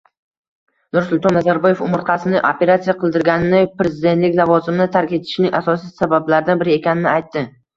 Nursulton Nazarboyev umurtqasini operatsiya qildirgani prezidentlik lavozimini tark etishining asosiy sabablaridan biri ekanini aytdi